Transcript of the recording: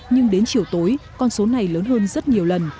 nhưng đến chiều tối con số này lớn hơn rất nhiều lần